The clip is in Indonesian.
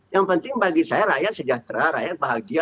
yang penting bagi saya rakyat sejahtera rakyat bahagia